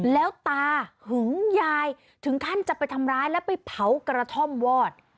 แล้วตาหึงยายถึงขั้นจะไปทำร้ายแล้วไปเผากระท่อมวอด